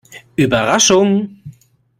Überraschung!